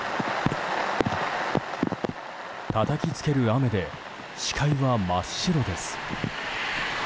たたきつける雨で視界は真っ白です。